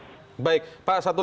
nanti akan berada di filipina selatan